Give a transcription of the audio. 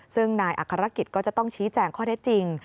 ซึ่งนายอัครกิจก็จะต้องชี้แจงข้อเท็จจริง